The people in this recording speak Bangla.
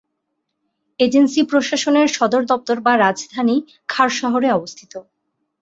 এজেন্সি প্রশাসনের সদর দপ্তর বা রাজধানী খার শহরে অবস্থিত।